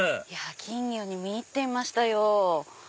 金魚に見入っていましたよ。